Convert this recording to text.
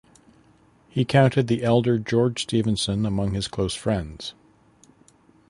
He counted the elder George Stephenson among his close friends.